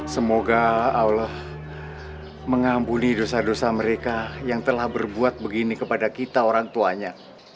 semoga allah mengambuli dosa dosa mereka yang telah berbuat begini kepada kita orang tuanya